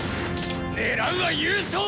狙うは優勝！